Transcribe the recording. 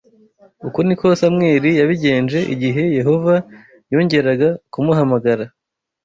Uko ni ko Samweli yabigenje igihe Yehova yongeraga kumuhamagara